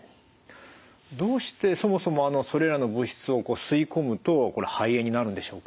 どうしてそもそもそれらの物質を吸い込むと肺炎になるんでしょうか？